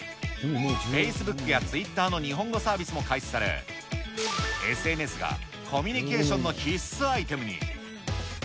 フェイスブックやツイッターの日本語サービスも開始され、ＳＮＳがコミュニケーションの必須アイテムに。